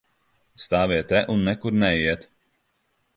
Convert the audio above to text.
Stāviet te un nekur neejiet!